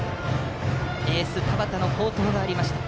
エース、田端の好投がありました。